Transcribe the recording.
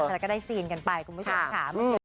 แล้วก็ได้ซีนกันไปคุณผู้ชมค่ะ